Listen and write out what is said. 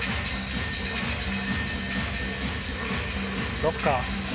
ロッカー。